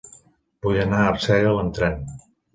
Vull anar a Arsèguel amb tren.